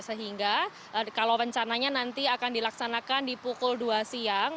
sehingga kalau rencananya nanti akan dilaksanakan di pukul dua siang